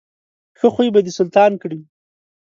ښه خوی به دې سلطان کړي.